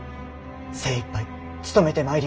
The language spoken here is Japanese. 精いっぱい勤めてまいりまする。